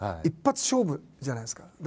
一発勝負じゃないですか。